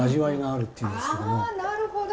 なるほど！